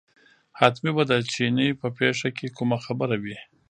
حتمي به د چیني په پېښه کې کومه خبره وي.